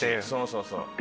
そうそう。